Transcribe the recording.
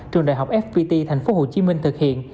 trường đại học fpt tp hcm thực hiện